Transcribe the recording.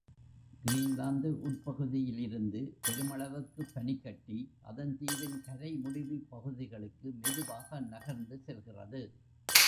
Greenland உட்பகுதியிலிருந்து பெருமள வுக்குப் பனிக்கட்டி அதன் தீவின் கரை முடிவுப் பகுதிகளுக்கு மெதுவாக நகர்ந்து செல்கிறது.